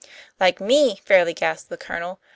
"Like me!" fairly gasped the Colonel.